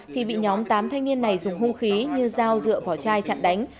thì bị nhóm tám thanh niên này dùng hung khí như dao dựa vào chai chặn đánh